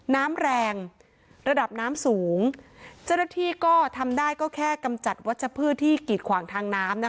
น้ำแรงระดับน้ำสูงเจ้าหน้าที่ก็ทำได้ก็แค่กำจัดวัชพืชที่กีดขวางทางน้ำนะคะ